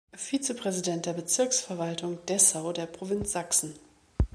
Vizepräsident der Bezirksverwaltung Dessau der Provinz Sachsen.